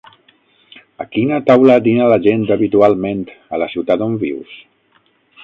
A quina taula dina la gent habitualment a la ciutat on vius?